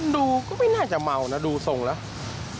ก็ไม่น่าจะเมานะดูทรงแล้ว